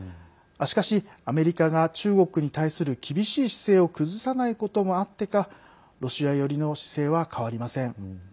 しかし、アメリカが中国に対する厳しい姿勢を崩さないこともあってかロシア寄りの姿勢は変わりません。